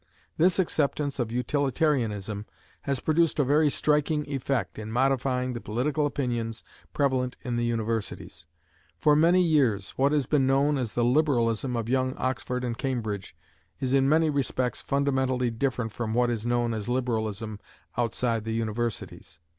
This acceptance of utilitarianism has produced a very striking effect in modifying the political opinions prevalent in the universities. For many years what has been known as the liberalism of young Oxford and Cambridge is in many respects fundamentally different from what is known as liberalism outside the universities.